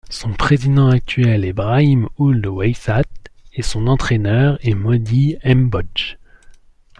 Son président actuel est Brahim Ould Weissat et son entraîneur est Mody M'Bodj.